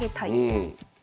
うん。